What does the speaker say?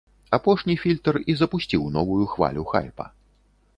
Апошні фільтр і запусціў новую хвалю хайпа.